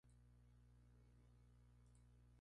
¿No visitan ellos?